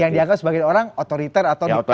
yang dianggap sebagai orang otoriter atau dpr